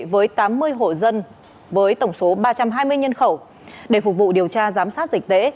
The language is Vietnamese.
với tám mươi hộ dân với tổng số ba trăm hai mươi nhân khẩu để phục vụ điều tra giám sát dịch tễ